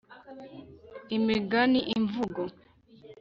imiganiimvugo